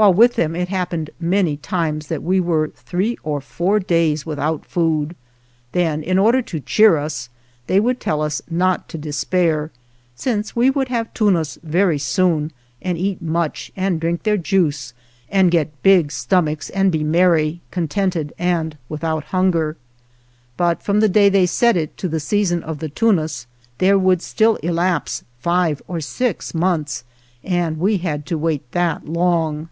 While with them it happened many times 9i THE JOURNEY OF that we were three or four days without food. Then, in order to cheer us, they would tell us not to despair, since we would have tunas very soon and eat much and drink their juice and get big stomachs and be merry, contented and without hunger. But from the day they said it to the season of the tunas there would still elapse five or six months, and we had to wait that long.